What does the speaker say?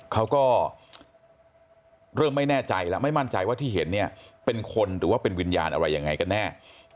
เขาก็เริ่มไม่แน่ใจแล้วไม่มั่นใจว่าที่เห็นเนี่ยเป็นคนหรือว่าเป็นวิญญาณอะไรยังไงกันแน่